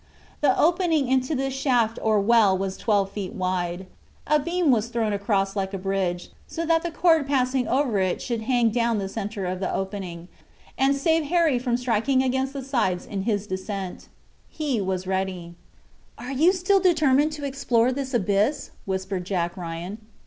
The opening into this shaft or well was twelve feet wide. A beam was thrown across like a bridge, so that the cord passing over it should hang down the center of the opening, and save Harry from striking against the sides in his descent. He was ready. "Are you still determined to explore this abyss?" whispered Jack Ryan.